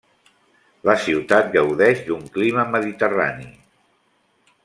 La ciutat gaudeix d'un clima mediterrani.